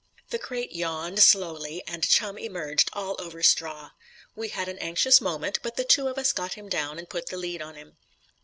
The crate yawned slowly, and Chum emerged all over straw. We had an anxious moment, but the two of us got him down and put the lead on him.